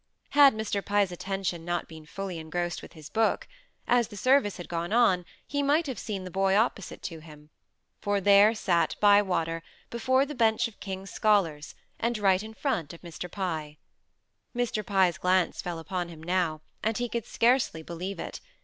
Had Mr. Pye's attention not been fully engrossed with his book, as the service had gone on, he might have seen the boy opposite to him; for there sat Bywater, before the bench of king's scholars, and right in front of Mr. Pye. Mr. Pye's glance fell upon him now, and he could scarcely believe it.